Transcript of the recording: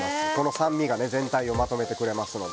酸味が全体をまとめてくれますので。